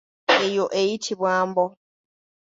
Eyo eyitibwa mbo.